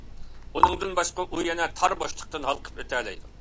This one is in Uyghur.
ئۇنىڭدىن باشقا، ئۇ يەنە تار بوشلۇقتىن ھالقىپ ئۆتەلەيدۇ.